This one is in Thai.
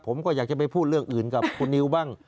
ผมก็อยากจะไปพูดเรื่องอื่นกับคุณนิวบ้าง